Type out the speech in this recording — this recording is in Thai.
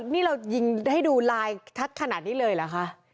นี่เรายิงให้ดูลายทักขนาดนี้เลยเหรอคะ